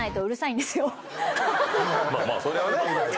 まあまあそれはね。